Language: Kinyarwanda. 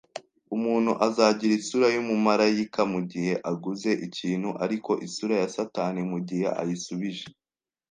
Umuntu azagira isura yumumarayika mugihe aguza ikintu, ariko isura ya satani mugihe ayisubije